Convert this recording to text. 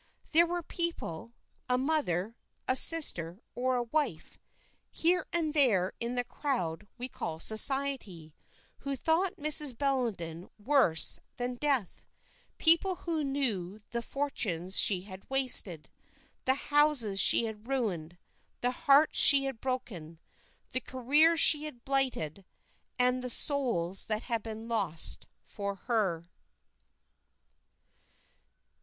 There were people a mother, a sister, or a wife here and there in the crowd we call Society, who thought Mrs. Bellenden worse than Death; people who knew the fortunes she had wasted, the houses she had ruined, the hearts she had broken, the careers she had blighted, and the souls that had been lost for her.